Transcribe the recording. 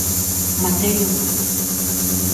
Materia humana.